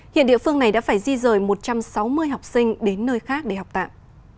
hiện địa phương này đã phải di rời một trăm sáu mươi học sinh đến nơi khác để học tạm